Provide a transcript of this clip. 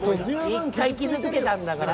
１回傷つけたんだから。